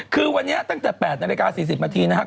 คือวันนี้ตั้งแต่๘นาฬิกา๔๐นาทีนะครับ